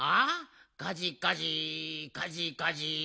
カジカジカジカジ。